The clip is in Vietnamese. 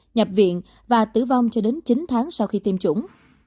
nhập viện và tử vong cho đến chín tháng sau khi tiêm chủng